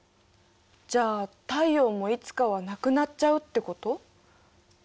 じゃあ太陽もいつかはなくなっちゃうってこと？